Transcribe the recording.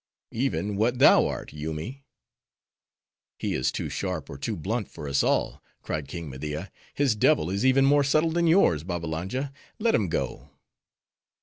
"Even what thou art, Yoomy." "He is too sharp or too blunt for us all," cried King Media. "His devil is even more subtle than yours, Babbalanja. Let him go."